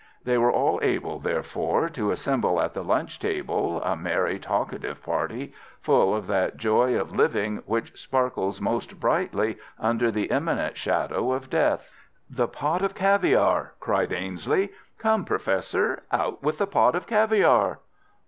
They were all able, therefore, to assemble at the lunch table, a merry, talkative party, full of that joy of living which sparkles most brightly under the imminent shadow of death. "The pot of caviare!" cried Ainslie. "Come, Professor, out with the pot of caviare!"